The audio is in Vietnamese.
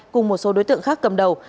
cùng một số đối tượng khác cầm đầu